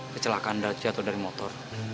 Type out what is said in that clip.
kecelakaan dia jatuh dari motor